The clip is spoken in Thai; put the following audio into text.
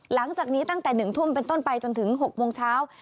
หลังจากนี้ตั้งแต่๑ทุ่มเป็นต้นไปจนถึง๖โมงเช้า